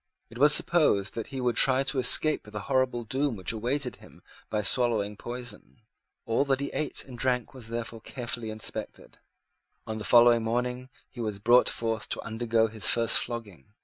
It was supposed that he would try to escape the horrible doom which awaited him by swallowing poison. All that he ate and drank was therefore carefully inspected. On the following morning he was brought forth to undergo his first flogging.